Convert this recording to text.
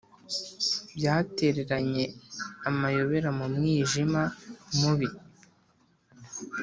byatereranye amayobera mu mwijima mubi.